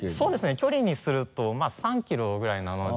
距離にするとまぁ３キロぐらいなので。